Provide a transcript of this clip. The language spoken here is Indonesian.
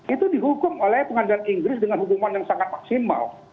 itu dihukum oleh pengadilan inggris dengan hukuman yang sangat maksimal